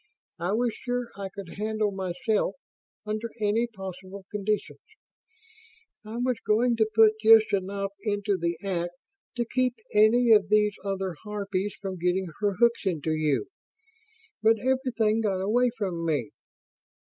I was sure I could handle myself, under any possible conditions. I was going to put just enough into the act to keep any of these other harpies from getting her hooks into you. But everything got away from me.